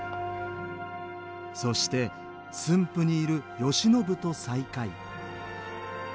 そして駿府にいる慶喜と再会。